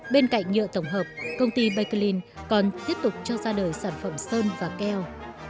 bên cạnh nhựa tổng hợp công ty baclen còn tiếp tục cho ra đời sản phẩm sơn và keo